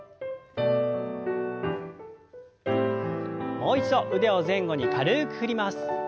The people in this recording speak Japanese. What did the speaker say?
もう一度腕を前後に軽く振ります。